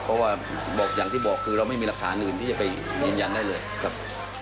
เพราะว่าบอกอย่างที่บอกคือเราไม่มีหลักฐานอื่นที่จะไปยืนยันได้เลยครับ